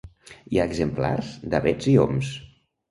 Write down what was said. Hi ha exemplars d'avets i oms.